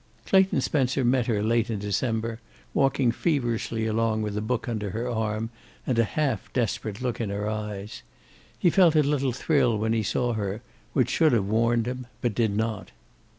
Clayton Spencer met her late in December, walking feverishly along with a book under her arm, and a half desperate look in her eyes. He felt a little thrill when he saw her, which should have warned him but did not.